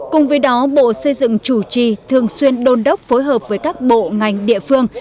cùng với đó bộ xây dựng chủ trì thường xuyên đôn đốc phối hợp với các bộ ngành địa phương